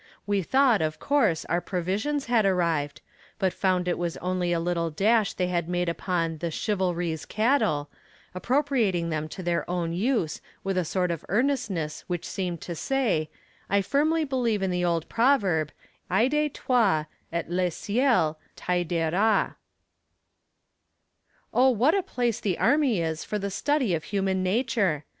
We thought, of course, our provisions had arrived, but found that it was only a little dash they had just made upon the "chivalry's" cattle, appropriating them to their own use with a sort of earnestness which seemed to say, I firmly believe in the old proverb, Aide toi, et le ciel t'aidera. Oh, what a place the army is for the study of human nature!